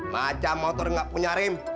macam motor nggak punya rem